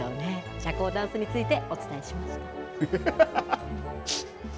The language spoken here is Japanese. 社交ダンスについてお伝えしました。